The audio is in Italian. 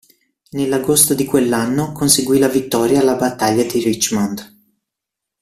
Nell'agosto di quell'anno conseguì la vittoria alla battaglia di Richmond.